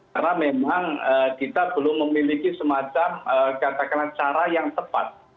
karena memang kita belum memiliki semacam katakanlah cara yang tepat